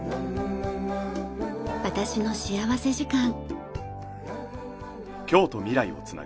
『私の幸福時間』。